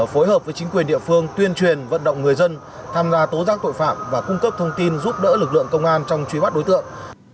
phối hợp với chính quyền địa phương tuyên truyền vận động người dân tham gia tố giác tội phạm và cung cấp thông tin giúp đỡ lực lượng công an trong truy bắt đối tượng